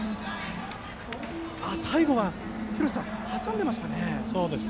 最後は、廣瀬さん挟んでいましたね。